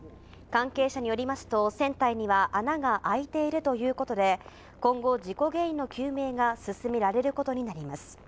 関係者によりますと、船体には穴が開いているということで、今後、事故原因の究明が進められることになります。